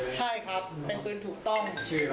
ใช่ครับเป็นปืนถูกต้อง